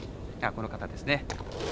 この方ですね。